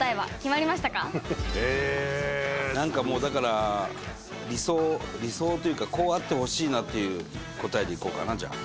伊達：なんか、だから、理想理想というかこうあってほしいなっていう答えでいこうかな、じゃあ。